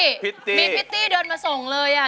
มีพิตตี้เดินมาส่งเลยอ่ะ